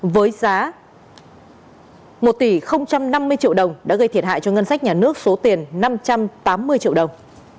với giá một tỷ năm mươi triệu đồng đã gây thiệt hại cho ngân sách nhà nước số tiền năm trăm tám mươi triệu đồng